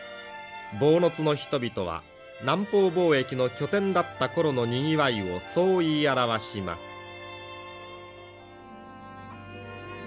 坊津の人々は南方貿易の拠点だった頃のにぎわいをそう言い表します。